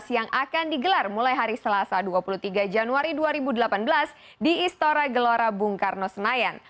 yang akan digelar mulai hari selasa dua puluh tiga januari dua ribu delapan belas di istora gelora bung karno senayan